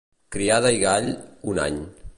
Criada i gall, un any.